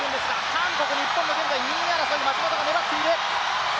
韓国、日本の２位争い松元が粘っている。